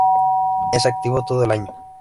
Es activo todo en el año.